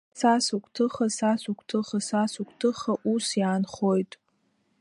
Са сыгәҭыха, са сыгәҭыха, са сыгәҭыха ус иаанхоит.